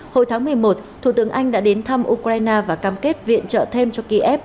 hồi tháng một mươi một thủ tướng anh đã đến thăm ukraine và cam kết viện trợ thêm cho kiev